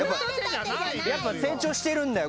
やっぱ成長しているんだよ